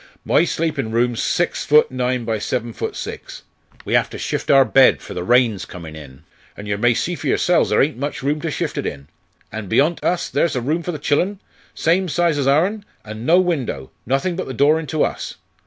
"My sleepin' room's six foot nine by seven foot six. We have to shift our bed for the rain's comin' in, an' yer may see for yoursels ther ain't much room to shift it in. An' beyont us ther's a room for the chillen, same size as ourn, an' no window, nothin' but the door into us.